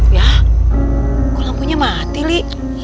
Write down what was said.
ya kok lampunya mati li